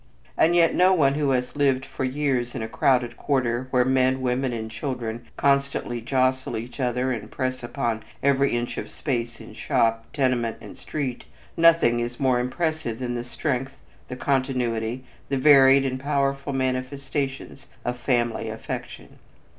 And yet to one who has lived for years in a crowded quarter where men, women and children constantly jostle each other and press upon every inch of space in shop, tenement and street, nothing is more impressive than the strength, the continuity, the varied and powerful manifestations, of family affection.